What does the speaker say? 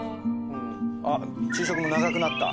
昼食も長くなった。